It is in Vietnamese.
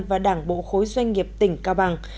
và đảng bộ khối doanh nghiệp tỉnh cao bằng